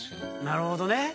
なるほどね。